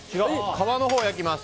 皮のほうを焼きます。